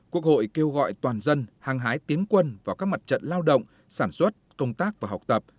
quốc hội kêu gọi toàn dân hàng hái tiến quân vào các mặt trận lao động sản xuất công tác và học tập